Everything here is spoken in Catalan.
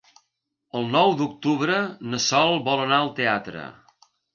El nou d'octubre na Sol vol anar al teatre.